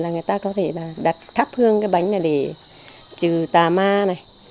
là người ta có thể đặt thắp hương cái bánh này để trừ tả ma này